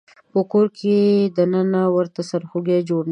په کور د ننه ورته سرخوږی جوړ نه کړي.